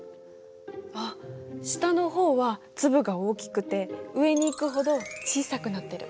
あっ下の方は粒が大きくて上に行くほど小さくなってる。